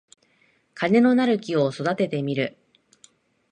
金のなる木を育ててみる